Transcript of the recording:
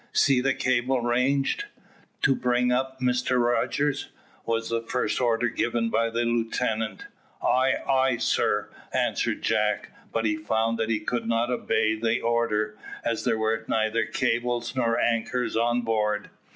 "See the cable ranged, to bring up, Mr Rogers," was the first order given by the lieutenant. "Ay, ay, sir," answered Jack, but he found that he could not obey the order, as there were neither cables nor anchors on board.